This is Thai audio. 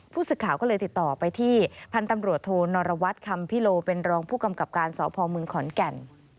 สึกข่าวก็เลยติดต่อไปที่พันธุ์ตำรวจโทนรวัตรคำพิโลเป็นรองผู้กำกับการสพมขอนแก่น